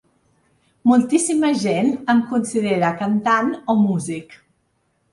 Moltíssima gent em considera cantant o músic.